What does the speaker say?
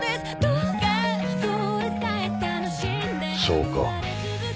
そうか。